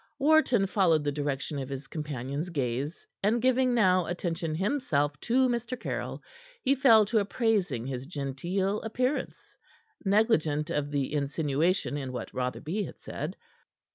Wharton followed the direction of his companion's gaze, and giving now attention himself to Mr. Caryll, he fell to appraising his genteel appearance, negligent of the insinuation in what Rotherby had said.